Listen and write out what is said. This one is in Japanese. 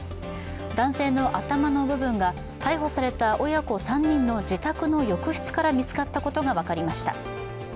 男性の頭の部分が逮捕された親子３人の自宅の浴室から見つかったことが分かりました。